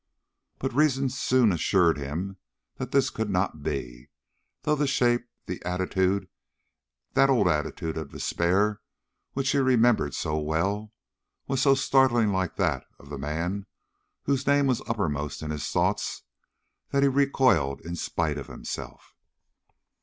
But reason soon assured him this could not be, though the shape, the attitude that old attitude of despair which he remembered so well was so startlingly like that of the man whose name was uppermost in his thoughts, that he recoiled in spite of himself.